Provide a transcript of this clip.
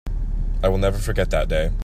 I will never forget that day.